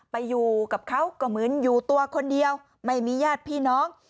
ไปอยู่กับเขาก็เหมือนอยู่ตัวคนเดียวไม่มีญาติพี่น้อง